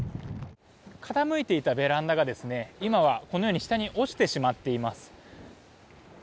傾いていたベランダが今はこのように下に落ちてしまっています。